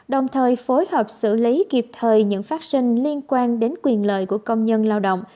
đồng thời phối hợp xử lý kịp thời những phát sinh liên quan đến quyền lợi của công nhân lao động